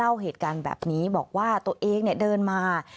เล่าเหตุการณ์แบบนี้บอกว่าตัวเองเนี่ยเดินมา